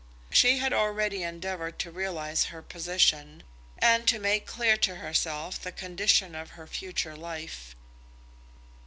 She had already endeavoured to realise her position, and to make clear to herself the condition of her future life.